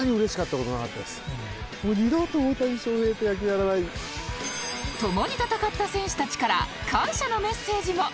これまで共に戦った選手たちから感謝のメッセージも